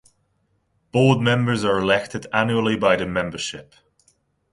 Board members are elected annually by the membership.